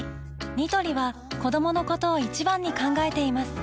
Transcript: ニトリは子どものことを一番に考えています